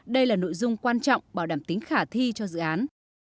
đây là nội dung quan trọng bảo đảm tính khả thi cho dự án